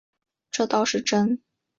这倒是真